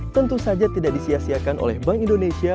tentu saja tidak disiasiakan oleh bank indonesia